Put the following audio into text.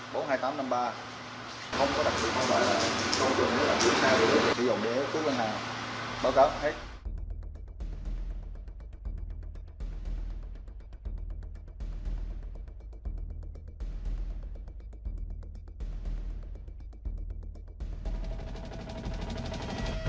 bị ổng đế tốt lên nào báo cáo hết